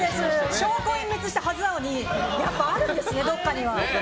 証拠隠滅したはずなのにやっぱりあるんですね